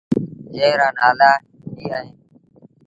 جݩهݩ رآ نآلآ ايٚ اوهيݩ۔